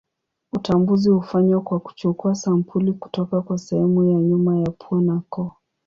Utambuzi hufanywa kwa kuchukua sampuli kutoka kwa sehemu ya nyuma ya pua na koo.